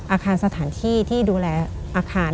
อาคารสถานที่ที่ดูแลอาคาร